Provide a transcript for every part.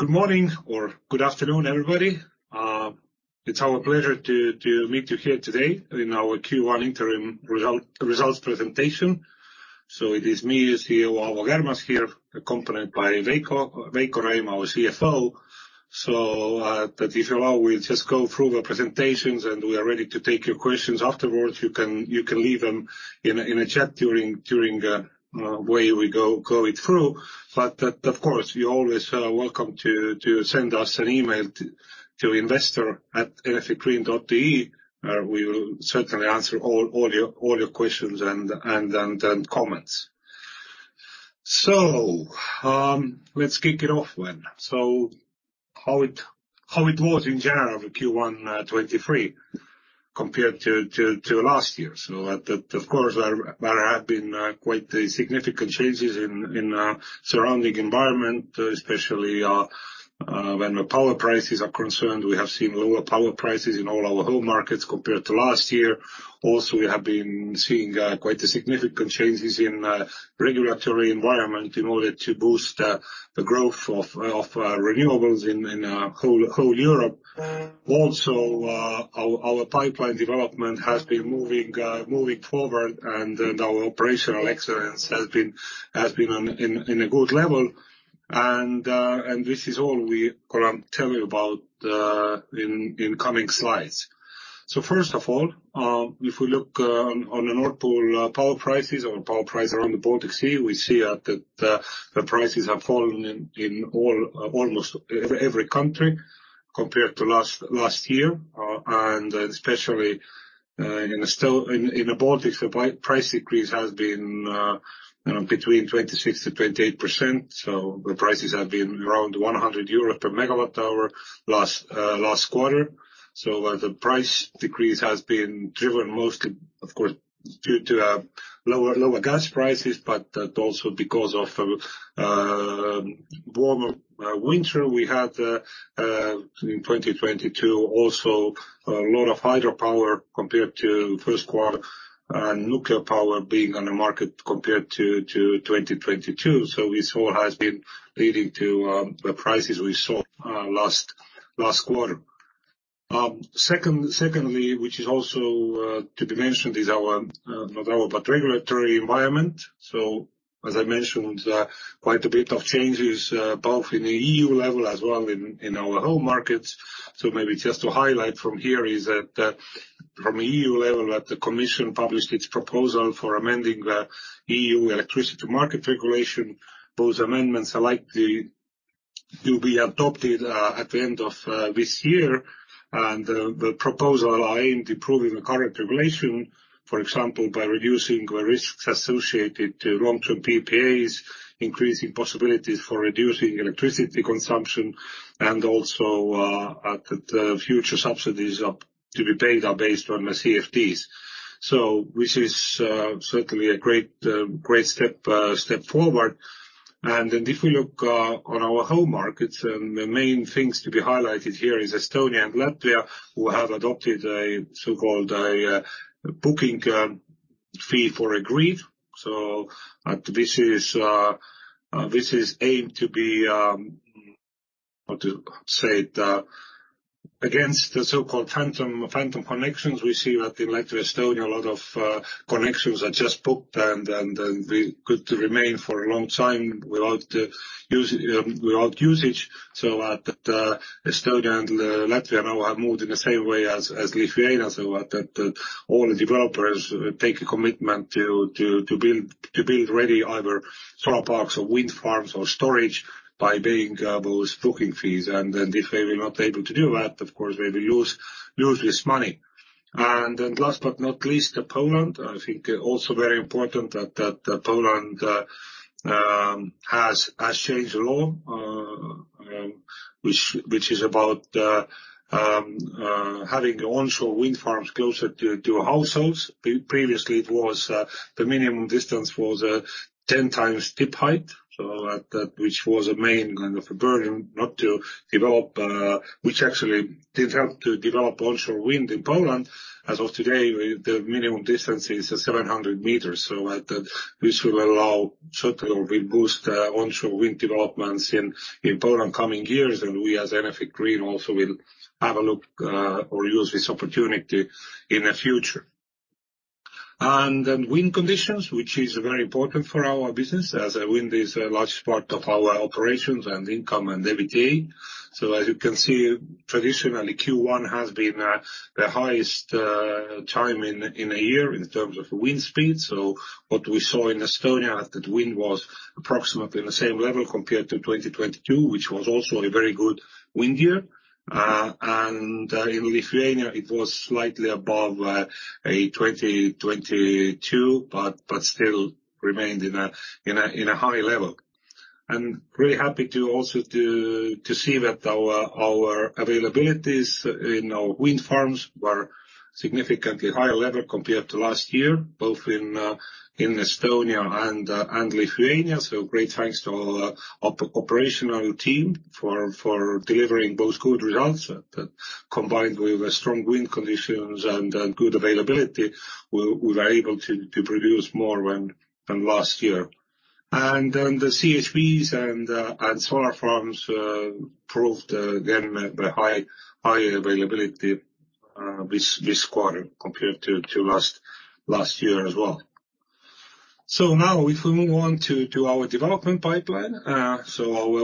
Good morning or good afternoon, everybody. It's our pleasure to meet you here today in our Q1 interim results presentation. It is me, it's here, Aavo Kärmas here, accompanied by Veiko Räim, our CFO. That if you allow, we'll just go through the presentations, we are ready to take your questions afterwards. You can leave them in a chat during where we go it through. Of course, you're always welcome to send us an email to investor@enefitgreen.ee, we will certainly answer all your questions and comments. Let's kick it off. How it was in general Q1 2023 compared to last year. Of course, there have been quite significant changes in our surrounding environment, especially when the power prices are concerned. We have seen lower power prices in all our home markets compared to last year. Also, we have been seeing quite significant changes in regulatory environment in order to boost the growth of renewables in whole Europe. Also, our pipeline development has been moving forward and our operational experience has been on in a good level. This is all we gonna tell you about in coming slides. First of all, if we look on the Nord Pool power prices or power price around the Baltic Sea, we see that the prices have fallen in all, almost every country compared to last year, and especially in the Baltic, the price decrease has been between 26%-28%, so the prices have been around 100 euros per MWh last quarter. The price decrease has been driven mostly, of course, due to lower gas prices, but also because of warmer winter we had in 2022. Also a lot of hydropower compared to first quarter, and nuclear power being on the market compared to 2022. This all has been leading to the prices we saw last quarter. Secondly, which is also to be mentioned, is regulatory environment. As I mentioned, quite a bit of changes both in the EU level as well in our home markets. Maybe just to highlight from here is that from EU level, the European Commission published its proposal for amending the EU electricity market regulation. Those amendments are likely to be adopted at the end of this year. The proposal aimed improving the current regulation, for example, by reducing the risks associated to long-term PPAs, increasing possibilities for reducing electricity consumption, and also, the future subsidies up to be paid are based on the CFDs. This is certainly a great step forward. If we look on our home markets, the main things to be highlighted here is Estonia and Latvia, who have adopted a so-called booking fee for a grid. This is aimed to be, how to say it, against the so-called phantom connections. We see that in like Estonia, a lot of connections are just booked and they could remain for a long time without use, without usage. That Estonia and Latvia now have moved in the same way as Lithuania. That all the developers take a commitment to build ready either solar parks or wind farms or storage by paying those booking fees. If they were not able to do that, of course, they will lose this money. Last but not least, Poland. I think also very important that Poland has changed the law which is about having onshore wind farms closer to households. Previously, it was the minimum distance was 10x tip height. That which was a main kind of a burden not to develop, which actually did help to develop onshore wind in Poland. As of today, the minimum distance is 700 meters. That this will allow certainly will boost onshore wind developments in Poland coming years. We, as Enefit Green, also will have a look or use this opportunity in the future. Wind conditions, which is very important for our business, as wind is a large part of our operations and income and EBITDA. As you can see, traditionally, Q1 has been the highest time in a year in terms of wind speed. What we saw in Estonia, that wind was approximately the same level compared to 2022, which was also a very good wind year. In Lithuania, it was slightly above 2022, but still remained in a high level. Really happy to also see that our availabilities in our wind farms were significantly higher level compared to last year, both in Estonia and Lithuania. Great thanks to our operational team for delivering those good results. Combined with strong wind conditions and good availability, we were able to produce more when than last year. The CHP and solar farms proved again the high availability this quarter compared to last year as well. If we move on to our development pipeline. Our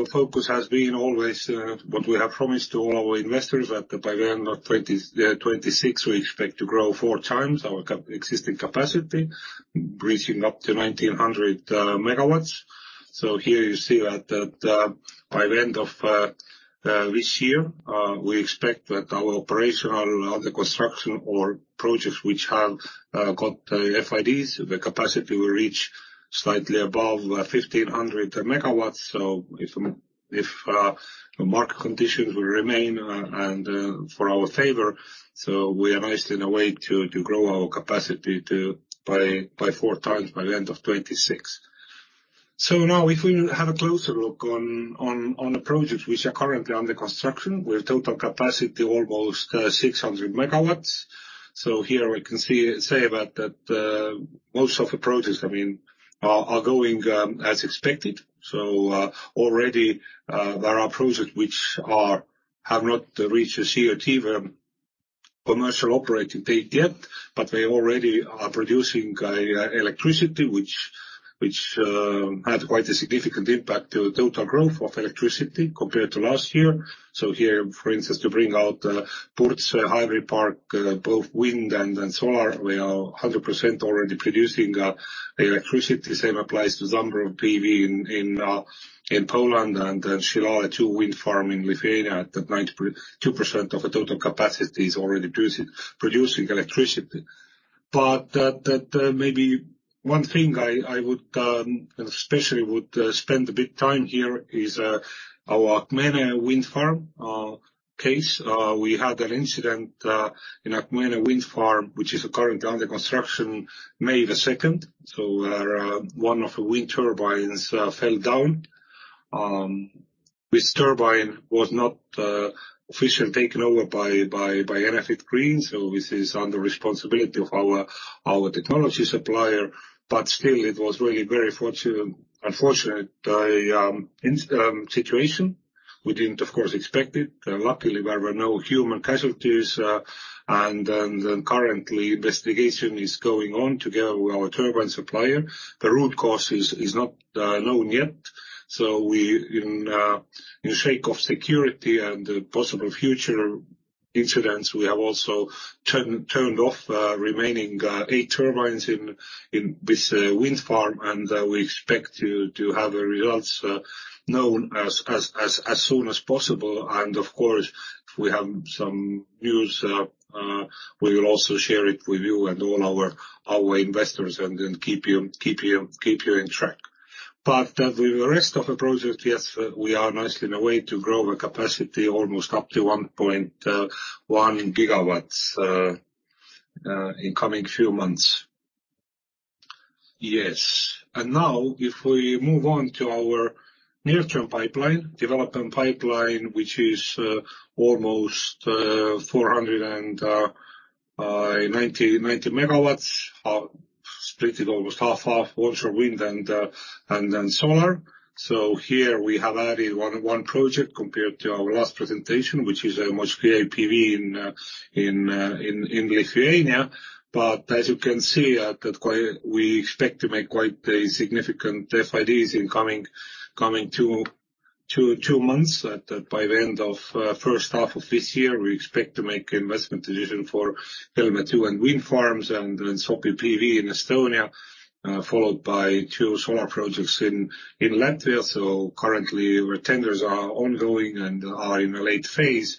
focus has been always what we have promised to all our investors that by the end of 2026, we expect to grow 4x our existing capacity, reaching up to 1,900 MW. Here you see that by the end of this year, we expect that our operational under construction or projects which have got FIDs, the capacity will reach slightly above 1,500 MW. If market conditions will remain for our favor, we are nicely in a way to grow our capacity by 4x by the end of 2026. If we have a closer look on the projects which are currently under construction, with total capacity almost 600 MW. Here we can say that most of the projects, I mean, are going as expected. Already there are projects which have not reached the COD, commercial operating date yet, but they already are producing electricity, which had quite a significant impact to the total growth of electricity compared to last year. Here, for instance, to bring out Purtse Hybrid Park, both wind and solar, we are 100% already producing electricity. Same applies to Ząbrowo PV in Poland and Šilalė II Wind Farm in Lithuania, that 92% of the total capacity is already producing electricity. That maybe one thing I would especially spend a bit time here is our Akmenė Wind Farm case. We had an incident in Akmenė Wind Farm, which is currently under construction, May 2nd. One of the wind turbines fell down. This turbine was not officially taken over by Enefit Green, so this is under responsibility of our technology supplier, but still, it was really very unfortunate situation. We didn't of course expect it. Luckily, there were no human casualties, and currently investigation is going on together with our turbine supplier. The root cause is not known yet, so we in sake of security and possible future incidents, we have also turned off remaining eight turbines in this wind farm. We expect to have the results known as soon as possible. Of course, if we have some news, we will also share it with you and all our investors and then keep you in track. The rest of the project, yes, we are nicely in a way to grow the capacity almost up to 1.1 GW in coming few months. Yes. Now if we move on to our near-term pipeline, development pipeline, which is almost 490 MW split it almost half onshore wind and then solar. Here we have added one project compared to our last presentation, which is Mooste PV in Lithuania. As you can see, that we expect to make quite a significant FIDs in coming two months. By the end of first half of this year, we expect to make investment decision for Kelmė II Wind Farms and Sopi PV in Estonia, followed by two solar projects in Latvia. Currently, our tenders are ongoing and are in a late phase.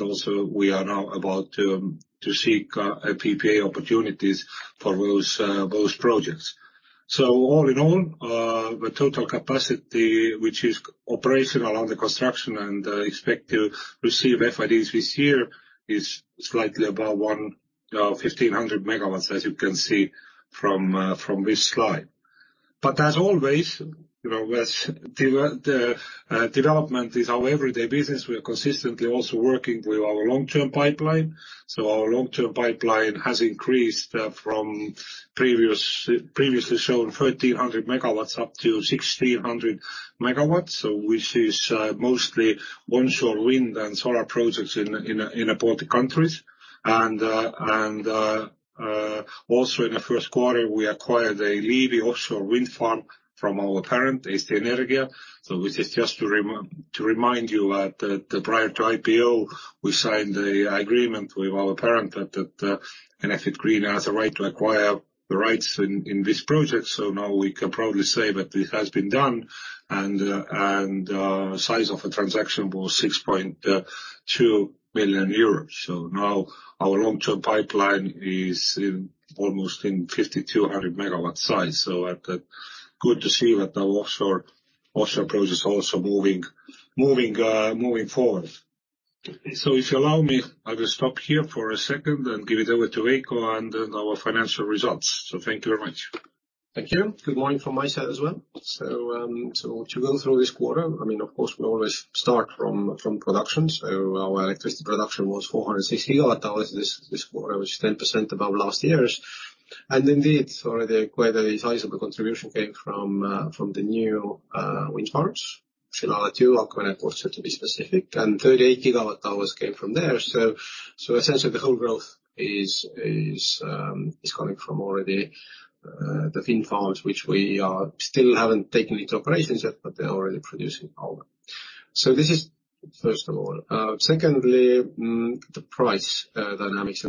Also we are now about to seek PPA opportunities for those projects. All in all, the total capacity which is operational under construction and expect to receive FIDs this year is slightly above 1,500 MW, as you can see from this slide. As always, you know, development is our everyday business, we are consistently also working with our long-term pipeline. Our long-term pipeline has increased from previously shown 1,300 MW up to 1,600 MW, which is mostly onshore wind and solar projects in the Baltic countries. Also in the first quarter, we acquired a Liivi Offshore Wind Farm from our parent, Eesti Energia. This is just to remind you that, prior to IPO, we signed an agreement with our parent that Enefit Green has a right to acquire the rights in this project. Now we can proudly say that it has been done and the size of the transaction was 6.2 million euros. Now our long-term pipeline is in almost in 5,200 MW size. Good to see that the offshore project also moving forward. If you allow me, I will stop here for a second and give it over to Veiko and then our financial results. Thank you very much. Thank you. Good morning from my side as well. To go through this quarter, I mean, of course, we always start from production. Our electricity production was 460 GWh this quarter, which is 10% above last year's. Already quite a sizable contribution came from the new wind farms, Finland, to be specific, and 38 GWh came from there. Essentially the whole growth is coming from already the Finn farms, which we still haven't taken into operations yet, but they're already producing power. Secondly, the price dynamics.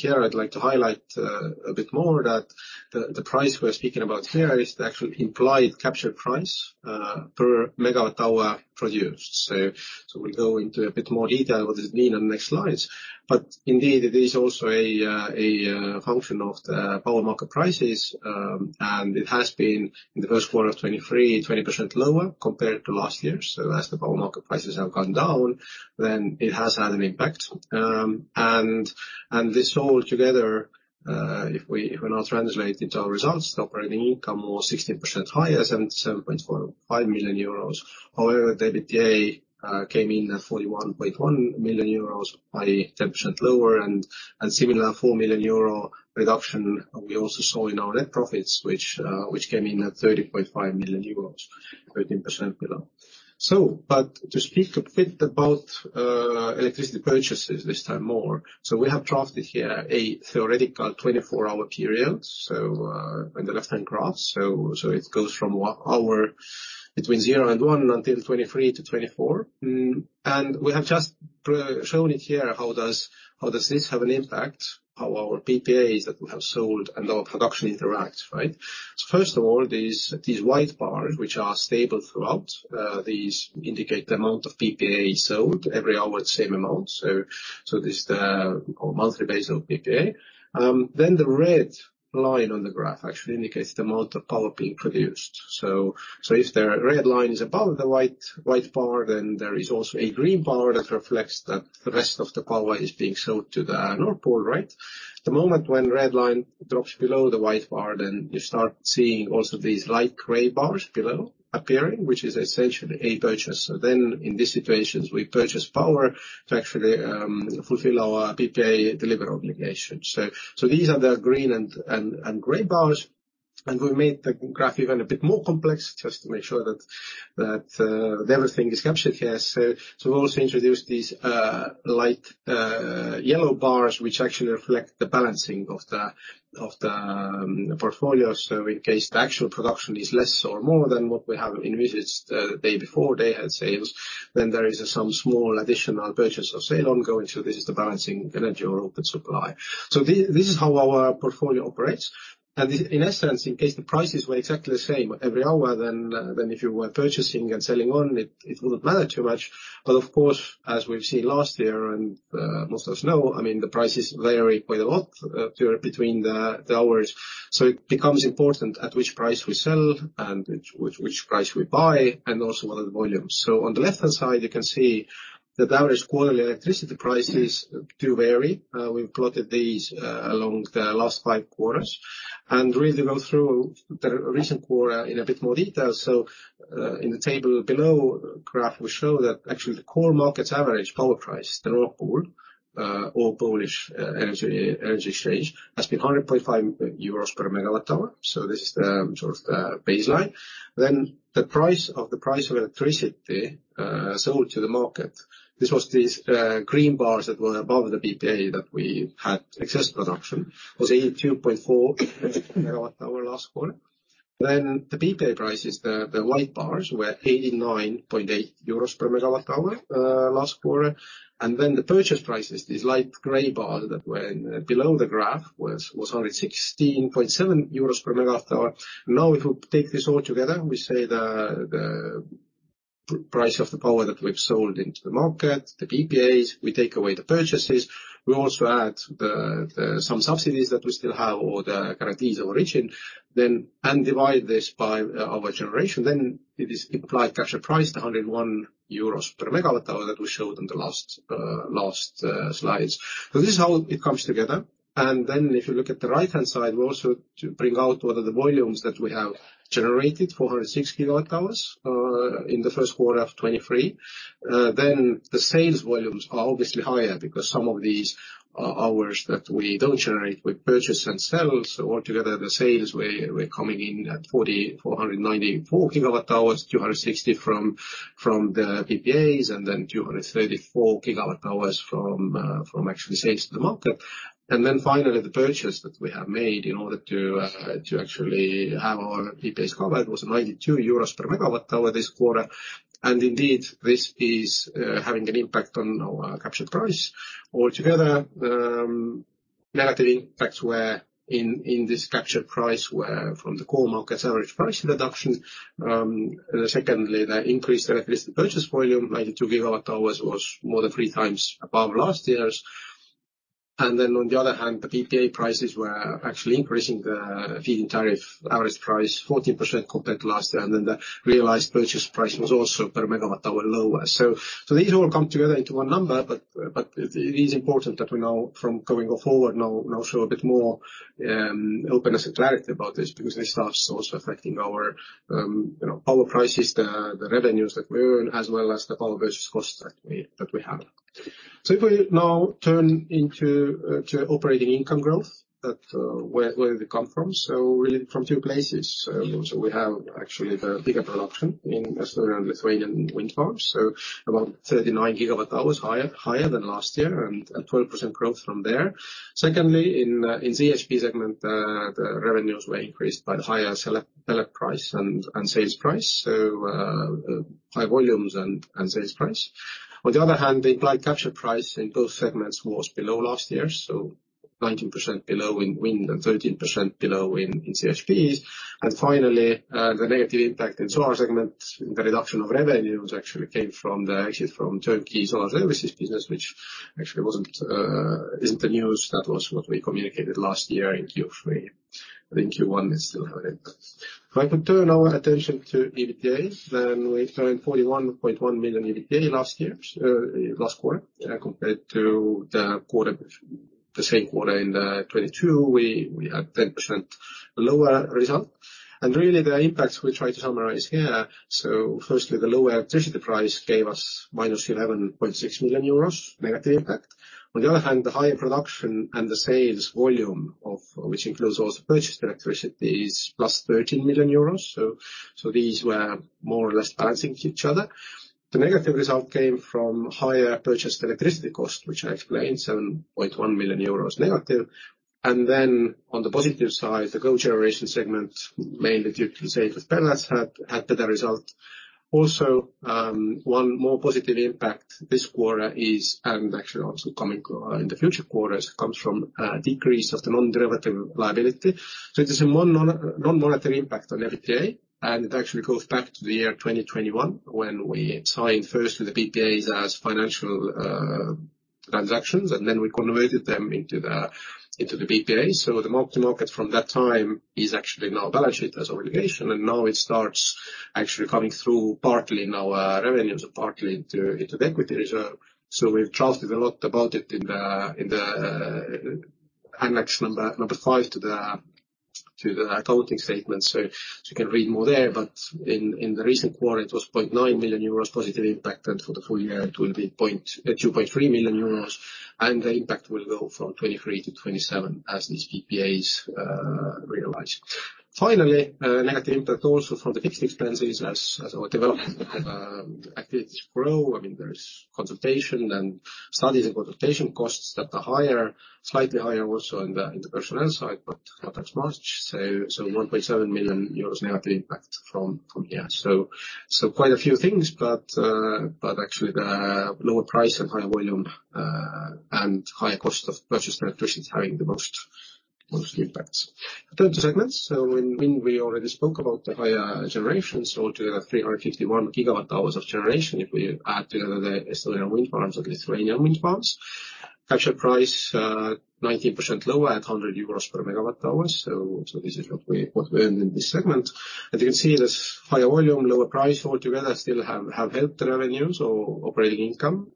Here I'd like to highlight a bit more that the price we're speaking about here is the actual implied capture price per MWh produced. We'll go into a bit more detail what this mean on the next slides. Indeed, it is also a function of the power market prices, and it has been, in the first quarter of 2023, 20% lower compared to last year. As the power market prices have gone down, then it has had an impact. This all together, if we now translate into our results, the operating income was 16% higher, 77.45 million euros. The EBITDA came in at 41.1 million euros, by 10% lower, and similar 4 million euro reduction we also saw in our net profits, which came in at 35 million euros, 13% below. To speak a bit about electricity purchases this time more. We have drafted here a theoretical 24-hour period, in the left-hand graph. It goes from zero-hour between zero and one until 23 to 24. We have just shown it here how does this have an impact, how our PPAs that we have sold and our production interacts, right? First of all, these white bars, which are stable throughout, these indicate the amount of PPA sold every hour, the same amount. This is the monthly base of PPA. The red line on the graph actually indicates the amount of power being produced. If the red line is above the white bar, then there is also a green bar that reflects that the rest of the power is being sold to the Nord Pool, right? The moment when red line drops below the white bar, you start seeing also these light gray bars below appearing, which is essentially a purchase. In these situations, we purchase power to actually fulfill our PPA delivery obligation. These are the green and gray bars. We made the graph even a bit more complex just to make sure that everything is captured here. We've also introduced these light yellow bars, which actually reflect the balancing of the portfolio. In case the actual production is less or more than what we have envisaged, day before, day ahead sales, then there is some small additional purchase of sale ongoing. This is the balancing energy or open supply. This is how our portfolio operates. In essence, in case the prices were exactly the same every hour, then if you were purchasing and selling on, it wouldn't matter too much. Of course, as we've seen last year and, most of us know, I mean, the prices vary quite a lot between the hours. It becomes important at which price we sell and which price we buy, and also what are the volumes. On the left-hand side, you can see the average quarterly electricity prices do vary. We've plotted these along the last five quarters. Really go through the recent quarter in a bit more detail. In the table below graph, we show that actually the core markets average power price to Nord Pool or Polish Power Exchange has been 100.5 euros per MWh. This is the sort of the baseline. The price of electricity sold to the market. This was these green bars that were above the PPA that we had excess production, was 82.4 per MWh last quarter. The PPA prices, the white bars, were 89.8 euros per MWh last quarter. The purchase prices, these light gray bars that were below the graph, was 116.7 euros per MWh. If we take this all together, we say the price of the power that we've sold into the market, the PPAs, we take away the purchases. We also add the some subsidies that we still have or the guarantees of origin, and divide this by our generation. It is implied capture price, the 101 euros per MWh that we showed in the last slides. This is how it comes together. If you look at the right-hand side, we also to bring out what are the volumes that we have generated, 406 GWh in the first quarter of 2023. The sales volumes are obviously higher because some of these h-hours that we don't generate, we purchase and sell. Altogether, the sales were coming in at 494 GWh, 260 from the PPAs, 234 GWh from actually sales to the market. Finally, the purchase that we have made in order to actually have our PPAs covered was 92 euros per MWh this quarter. Indeed, this is having an impact on our captured price. Altogether, negative impacts were in this captured price were from the core markets average price reduction. Secondly, the increased electricity purchase volume, 92 GWh, was more than 3x above last year's. On the other hand, the PPA prices were actually increasing the feed-in tariff average price 14% compared to last year, and then the realized purchase price was also per MWh lower. These all come together into one number, but it is important that we from going forward now show a bit more openness and clarity about this because this stuff is also affecting our, you know, power prices, the revenues that we earn, as well as the power purchase costs that we have. If we now turn into to operating income growth, that where we come from, really from two places. We have actually the bigger production in Estonian and Lithuanian wind farms, about 39 GWh higher than last year and 12% growth from there. Secondly, in CHP segment, the revenues were increased by the higher sale price and sales price, high volumes and sales price. The applied capture price in both segments was below last year, 19% below in wind and 13% below in CHPs. Finally, the negative impact in solar segment, the reduction of revenues actually came from the exit from Turkey solar services business, which actually wasn't, isn't the news. That was what we communicated last year in Q3, in Q1 it's still happening. If I could turn our attention to EBITDA, we turned 41.1 million EBITDA last year, last quarter, compared to the quarter, the same quarter in 2022, we had 10% lower result. The impacts we try to summarize here. Firstly, the lower electricity price gave us minus 11.6 million euros negative impact. The higher production and the sales volume of which includes also purchased electricity is +13 million euros. These were more or less balancing each other. The negative result came from higher purchased electricity cost, which I explained, -7.1 million euros. On the positive side, the cogeneration segment, mainly due to sales of pellets, had better result. Also, one more positive impact this quarter is, and actually also coming in the future quarters, comes from a decrease of the non-derivative liability. It is a more non-monetary impact on EBITDA, and it actually goes back to the year 2021, when we signed first with the PPAs as financial transactions, and then we converted them into the PPAs. The mark-to-market from that time is actually now balance sheet as obligation, and now it starts actually coming through partly in our revenues and partly into the equity reserve. We've trusted a lot about it in the annex number five to the accounting statement. You can read more there, but in the recent quarter, it was 0.9 million euros positive impact, and for the full year it will be 2.3 million euros, and the impact will go from 2023-2027 as these PPAs realize. Finally, negative impact also from the fixed expenses as our development activities grow. I mean, there is consultation and studies and consultation costs that are higher, slightly higher also in the personnel side, but not as much. 1.7 million euros negative impact from here. Quite a few things, but actually the lower price and higher volume and higher cost of purchased electricity is having the most impacts. Turn to segments. In wind, we already spoke about the higher generation, altogether 351 GWh of generation if we add together the Estonian wind farms and Lithuanian wind farms. Actual price, 19% lower at 100 euros per MWh. This is what we earn in this segment. You can see this higher volume, lower price altogether still have helped the revenues or operating income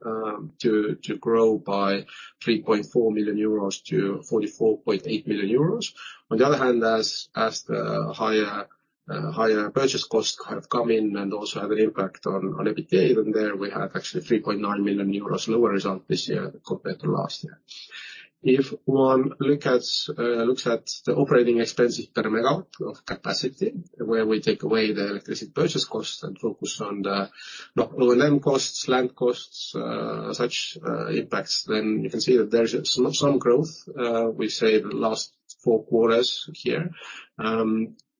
to grow by 3.4 million euros to 44.8 million euros. On the other hand, as the higher higher purchase costs have come in and also have an impact on EBITDA, even there we have actually 3.9 million euros lower result this year compared to last year. If one looks at the operating expenses per MW of capacity, where we take away the electricity purchase costs and focus on the O&M costs, land costs, such impacts, then you can see that there's some growth, we say the last four quarters here,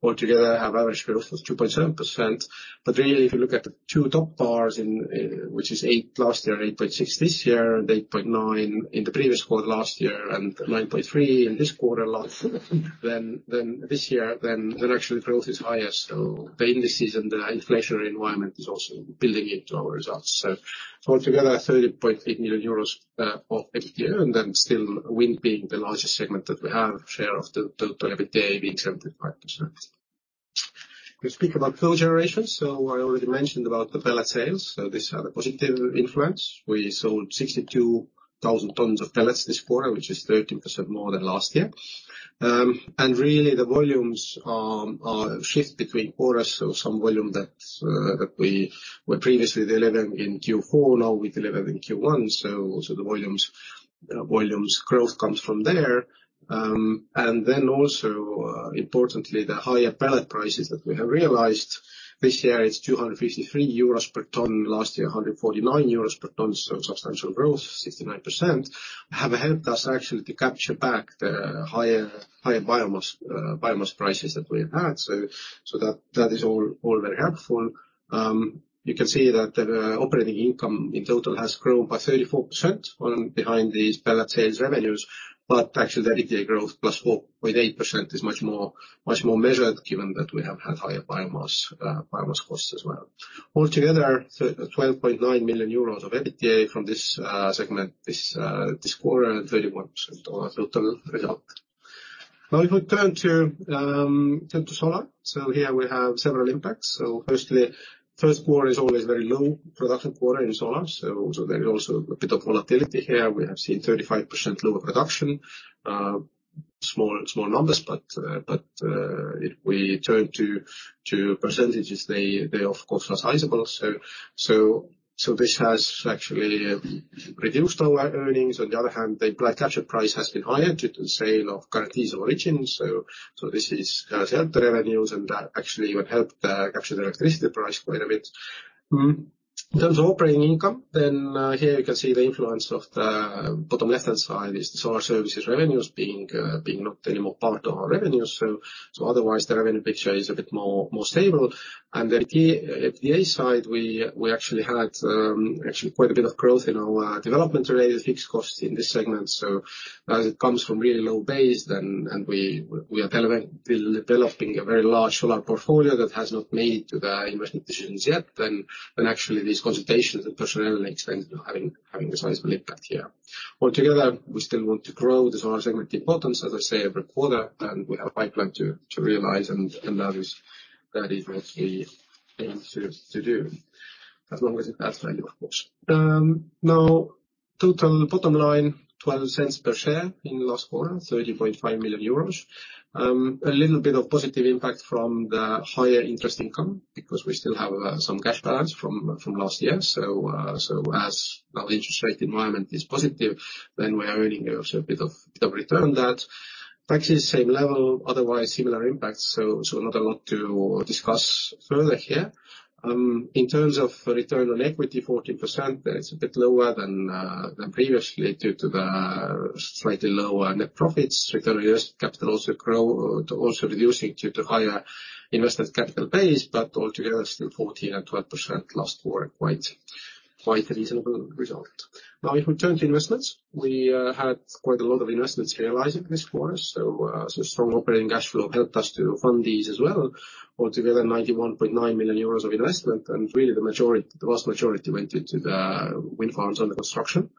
altogether have average growth of 2.7%. Really, if you look at the two top bars in which is eight last year, 8.6 this year, and 8.9 in the previous quarter last year, and 9.3 in this quarter last, then this year, then actually growth is higher. The indices and the inflationary environment is also building into our results. Altogether, 30.8 million euros of EBITDA, and then still wind being the largest segment that we have, share of the total EBITDA being 75%. We speak about cogeneration. I already mentioned about the pellet sales. These are the positive influence. We sold 62,000 tons of pellets this quarter, which is 13% more than last year. Really, the volumes shift between quarters. Some volume that we were previously delivering in Q4, now we deliver in Q1, also the volumes growth comes from there. Also, importantly, the higher pellet prices that we have realized. This year it's 253 euros per ton, last year 149 euros per ton, substantial growth, 69%, have helped us actually to capture back the higher biomass prices that we had. That is all very helpful. You can see that the operating income in total has grown by 34% on behind these pellet sales revenues, actually the EBITDA growth, +4.8%, is much more measured given that we have had higher biomass costs as well. Altogether, 12.9 million euros of EBITDA from this segment, this quarter, and 31% on our total result. If we turn to solar. Here, we have several impacts. Firstly, first quarter is always very low production quarter in solar, so there is also a bit of volatility here. We have seen 35% lower production. Small numbers, but if we turn to percentages, they, of course, are sizable. This has actually reduced our earnings. On the other hand, the black capture price has been higher due to the sale of guarantees of origin. This is to help the revenues and actually even helped capture the electricity price quite a bit. In terms of operating income, then, here you can see the influence of the bottom left-hand side is the solar services revenues being not anymore part of our revenues. Otherwise, the revenue picture is a bit more, more stable. The EBITDA side, we actually had actually quite a bit of growth in our development-related fixed costs in this segment. As it comes from really low base, then, and we are developing a very large solar portfolio that has not made the investment decisions yet, then actually these consultations and personnel makes sense, you know, having a sizable impact here. We still want to grow the solar segment importance, as I say every quarter, and we have a pipeline to realize and that is very much we aim to do, as long as it adds value, of course. Total bottom line, 12 cents per share in last quarter, 30.5 million euros. A little bit of positive impact from the higher interest income because we still have some cash balance from last year. As now the interest rate environment is positive, we are earning also a bit of return on that. Actually, the same level, otherwise similar impacts, not a lot to discuss further here. In terms of Return on Equity, 14%, that is a bit lower than previously due to the slightly lower net profits. Return on Invested Capital also reducing due to higher invested capital base, altogether still 14% and 12% last quarter, quite a reasonable result. If we turn to investments, we had quite a lot of investments here arising this quarter, strong operating cash flow helped us to fund these as well. Altogether, 91.9 million euros of investment, really the majority, the vast majority went into the wind farms under construction.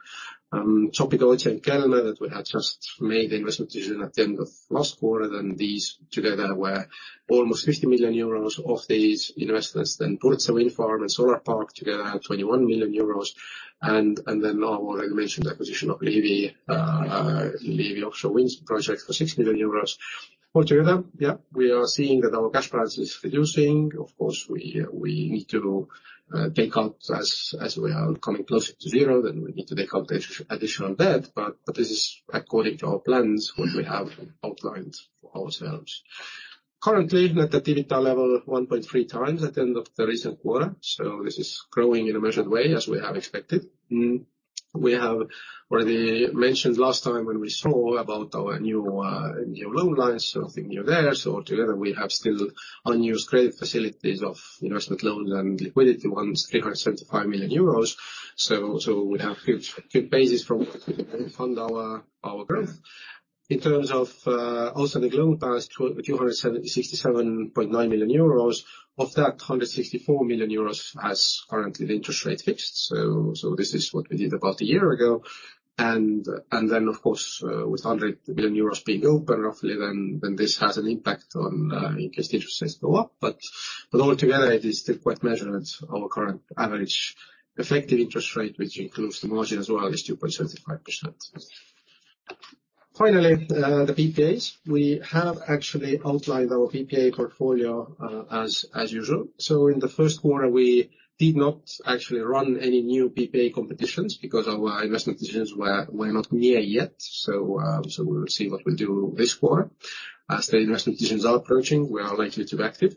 Sopi-Tootsi Wind Farm and Kelmė that we had just made the investment decision at the end of last quarter, these together were almost 50 million euros of these investments. Purtse Hybrid Park, 21 million euros, now I already mentioned the acquisition of Liivi Offshore Wind Farm project for 6 million euros. Altogether, yeah, we are seeing that our cash balance is reducing. Of course, we need to take out as we are coming closer to zero, then we need to take out additional debt. This is according to our plans, what we have outlined for ourselves. Currently, net activity level 1.3x at the end of the recent quarter. This is growing in a measured way, as we have expected. We have already mentioned last time when we saw about our new loan lines. Nothing new there. Altogether, we have still unused credit facilities of investment loans and liquidity ones, 375 million euros. We have good basis from where to fund our growth. In terms of also the loan balance, 267.9 million euros. Of that, 164 million euros has currently the interest rate fixed. This is what we did about a year ago. Then, of course, with 100 million euros being open roughly, this has an impact on in case the interest rates go up. Altogether, it is still quite measured. Our current average effective interest rate, which includes the margin as well, is 2.75%. Finally, the PPAs. We have actually outlined our PPA portfolio as usual. In the first quarter, we did not actually run any new PPA competitions because our investment decisions were not near yet. We'll see what we'll do this quarter. As the investment decisions are approaching, we are likely to be active.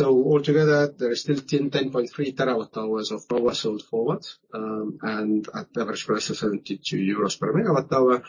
Altogether, there is still 10.3 TWh of power sold forward, and at average price of 72 euros per MWh.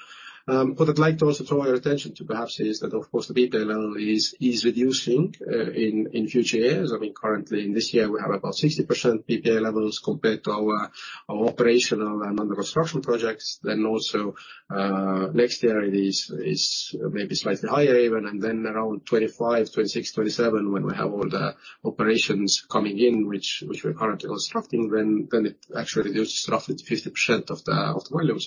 What I'd like to also draw your attention to perhaps is that, of course, the PPA level is reducing in future years. I mean, currently in this year, we have about 60% PPA levels compared to our operational and under construction projects. Also, next year it is maybe slightly higher even, and then around 2025, 2026, 2027 when we have all the operations coming in, which we're currently constructing, then it actually reduces to roughly 50% of the volume.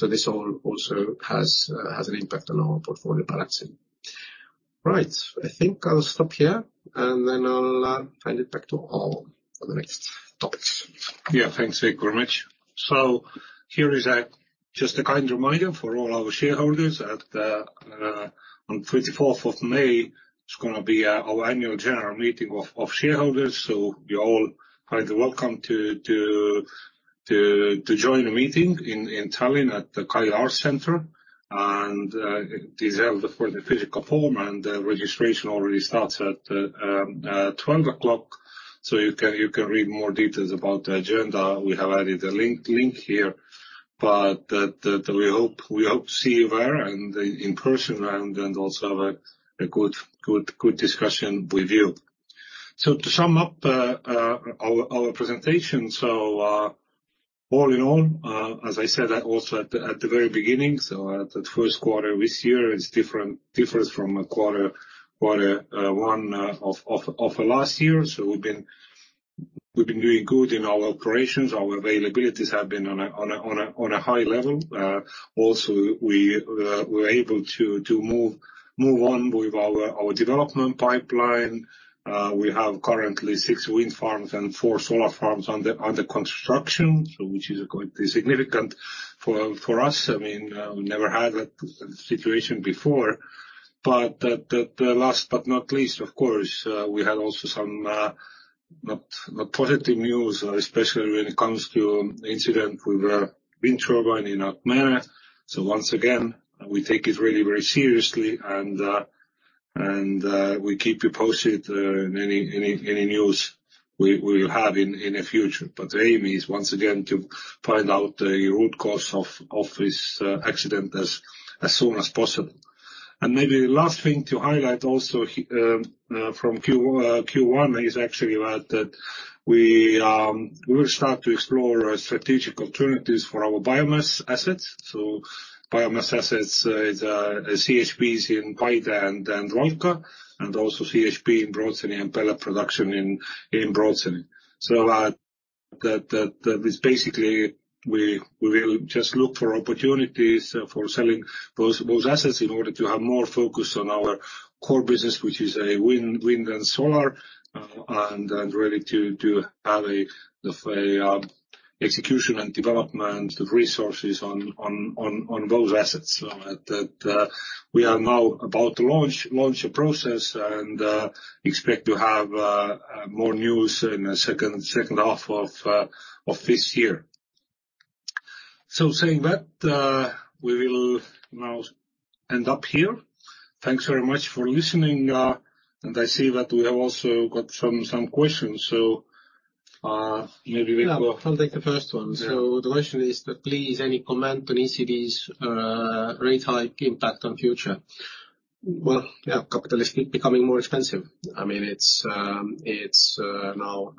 This all also has an impact on our portfolio balancing. Right. I think I'll stop here, and then I'll hand it back to Aavo Kärmas for the next topics. Yeah. Thanks, Veiko, very much. Here is just a kind reminder for all our shareholders that on 24th of May, it's gonna be our annual general meeting of shareholders. You're all highly welcome to join the meeting in Tallinn at the Kai Art Center. It is held for the physical form, and the registration already starts at 12:00 P.M. You can read more details about the agenda. We have added a link here. We hope to see you there and in person and also have a good discussion with you. To sum up our presentation, all in all, as I said also at the very beginning, the first quarter this year is different, differs from quarter one of last year. We've been doing good in our operations. Our availabilities have been on a high level. Also, we're able to move on with our development pipeline. We have currently six wind farms and four solar farms under construction, which is quite significant for us. I mean, we never had that situation before. The last but not least, of course, we had also some not positive news, especially when it comes to incident with a wind turbine in Akmenė Wind Farm. Once again, we take it really very seriously, and we keep you posted in any news we will have in the future. The aim is once again to find out the root cause of this accident as soon as possible. Maybe last thing to highlight also from Q1 is actually that we'll start to explore strategic alternatives for our biomass assets. Biomass assets is CHPs in Paide and Valka, and also CHP in Brocēni and pellet production in Brocēni. That is basically we will just look for opportunities for selling those assets in order to have more focus on our core business, which is wind and solar, and really to have of a execution and development of resources on those assets. That we are now about to launch a process and expect to have more news in the second half of this year. Saying that, we will now end up here. Thanks very much for listening, and I see that we have also got some questions. Yeah. I'll take the first one. Yeah. The question is that, please, any comment on ECB's rate hike impact on future? Well, yeah, capital is becoming more expensive. I mean, it's now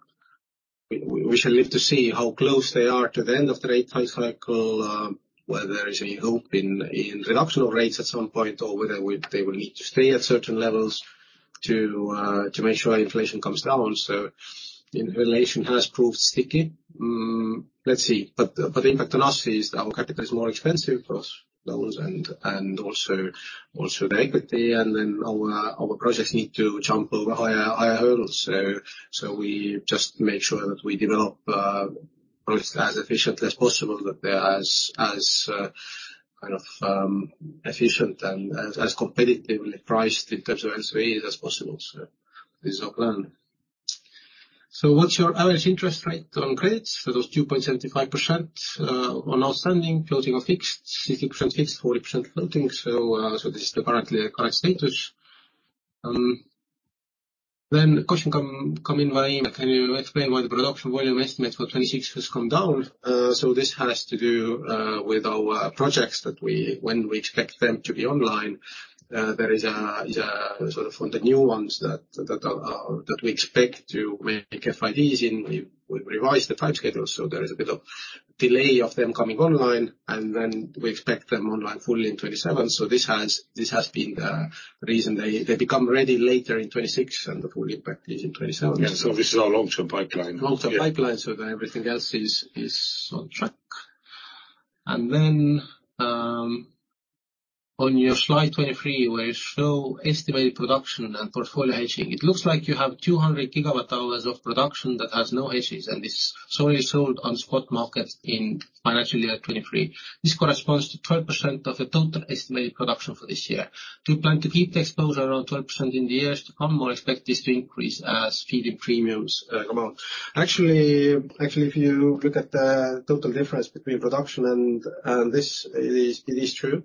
we shall live to see how close they are to the end of the rate hike cycle, whether there is any hope in reduction of rates at some point or whether they will need to stay at certain levels to make sure inflation comes down. Inflation has proved sticky. Mm, let's see. The impact on us is our capital is more expensive for us, loans and also the equity, and our projects need to jump over higher hurdles. We just make sure that we develop projects as efficiently as possible, that they're as efficient and as competitively priced in terms of SP as possible. This is our plan. What's your average interest rate on credits for those 2.75% on outstanding, floating or fixed? 60% fixed, 40% floating. This is the current status. A question came in via email. Can you explain why the production volume estimate for 2026 has come down? This has to do with our projects that we when we expect them to be online. There is a sort of on the new ones that we expect to make FIDs in. We revised the time schedule, there is a bit of delay of them coming online. We expect them online fully in 2027. This has been the reason they become ready later in 2026, and the full impact is in 2027. Yeah. This is our long-term pipeline. Long-term pipeline. Yeah. Everything else is on track. On your slide 23, where you show estimated production and portfolio hedging, it looks like you have 200 GWh of production that has no hedges, and it's solely sold on spot markets in financial year 2023. This corresponds to 12% of the total estimated production for this year. Do you plan to keep the exposure around 12% in the years to come, or expect this to increase as feeding premiums come out? Actually, if you look at the total difference between production and this, it is true.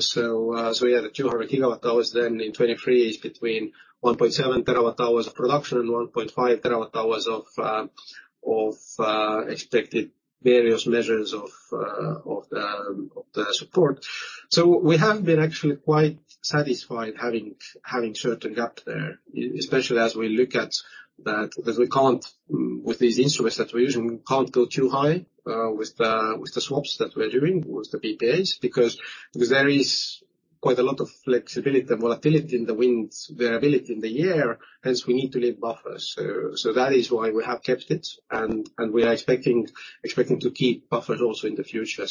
So yeah, the 200 GWh then in 2023 is between 1.7 TWh of production and 1.5 TWh of expected various measures of the support. We have been actually quite satisfied having certain gap there, especially as we look at that, because we can't with these instruments that we're using, we can't go too high with the swaps that we're doing, with the PPAs because there is quite a lot of flexibility and volatility in the winds, variability in the year, hence we need to leave buffers. That is why we have kept it. And we are expecting to keep buffers also in the future.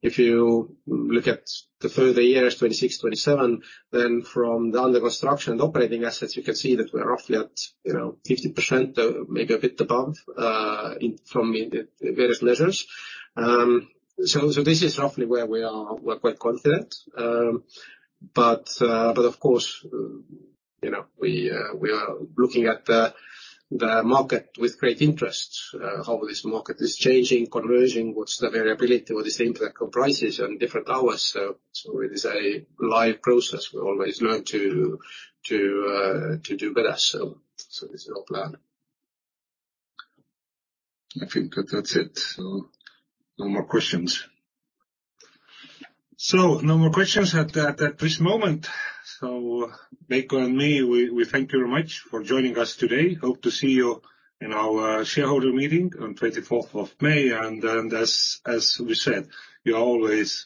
If you look at the further years, 2026, 2027, then from the under construction and operating assets, you can see that we're roughly at, you know, 50%, maybe a bit above, from the various measures. This is roughly where we are. We're quite confident. Of course, you know, we are looking at the market with great interest. How this market is changing, converging, what's the variability, what is the impact on prices on different hours. It is a live process. We always learn to do better. This is our plan. I think that's it. No more questions. No more questions at this moment. Veiko and me, we thank you very much for joining us today. Hope to see you in our shareholder meeting on 24th of May. As we said, you're always